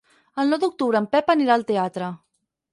El nou d'octubre en Pep anirà al teatre.